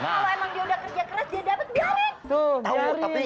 kalau emang dia udah kerja keras dia dapat dialek